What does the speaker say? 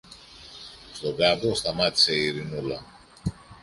Στον κάμπο σταμάτησε η Ειρηνούλα.